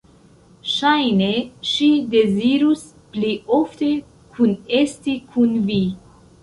Ŝajne ŝi dezirus pli ofte kunesti kun Vi!